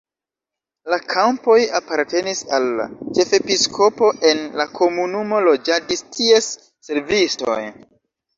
La kampoj apartenis al la ĉefepiskopo, en la komunumo loĝadis ties servistoj.